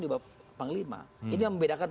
di bawah panglima ini yang membedakan